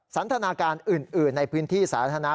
สันทนาการอื่นในพื้นที่สาธารณะ